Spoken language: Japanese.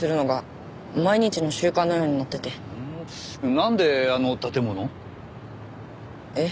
なんであの建物？えっ？